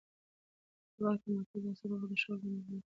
د واک تمرکز اکثره وخت د شخړو لامل ګرځي